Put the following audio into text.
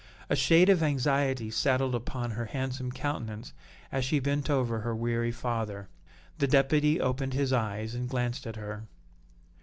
A shade of anxiety settled upon her handsome countenance as she bent over her weary father. The Deputy opened his eyes and glanced at her.